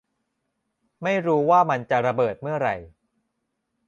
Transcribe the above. ไม่รู้ว่ามันจะระเบิดเมื่อไหร่